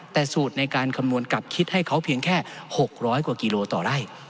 แต่สูตรในการคำนวณกลับคิดให้เขาเพียงแค่๖๐๐กว่ากิโลต่อไร่